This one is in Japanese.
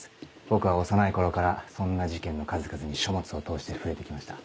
僕は幼い頃からそんな事件の数々に書物を通して触れて来ました。